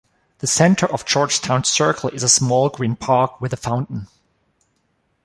The center of Georgetown's circle is a small green park with a fountain.